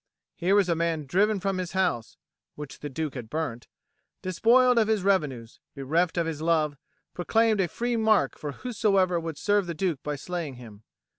Here was a man driven from his house (which the Duke had burnt), despoiled of his revenues, bereft of his love, proclaimed a free mark for whosoever would serve the Duke by slaying him.